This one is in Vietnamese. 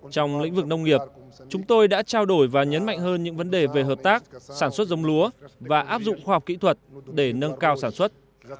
trong lĩnh vực nông nghiệp chúng tôi đã trao đổi và nhấn mạnh hơn những vấn đề về hợp tác sản xuất giống lúa và áp dụng khoa học kỹ thuật để nâng cao sản xuất